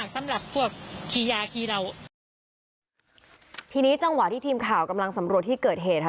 สำหรับพวกคียาคีเราทีนี้จังหวะที่ทีมข่าวกำลังสำรวจที่เกิดเหตุค่ะ